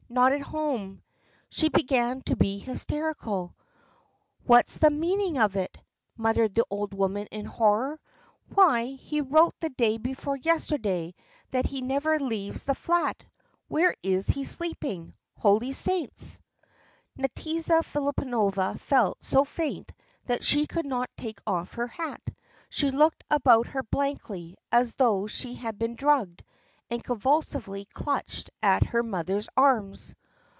Not at home!" She began to be hysterical. "What's the meaning of it?" muttered the old woman in horror. "Why, he wrote the day before yesterday that he never leaves the flat! Where is he sleeping? Holy Saints!" Nadyezhda Filippovna felt so faint that she could not take off her hat. She looked about her blankly, as though she had been drugged, and convulsively clutched at her mother's arms.